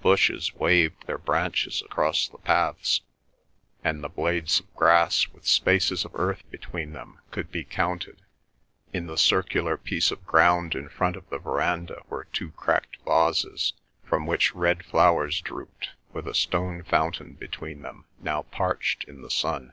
Bushes waved their branches across the paths, and the blades of grass, with spaces of earth between them, could be counted. In the circular piece of ground in front of the verandah were two cracked vases, from which red flowers drooped, with a stone fountain between them, now parched in the sun.